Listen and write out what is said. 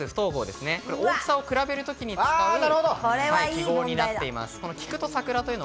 大きさを比べるときに比べる記号になっています。